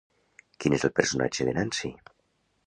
Quin és el personatge de Nancy?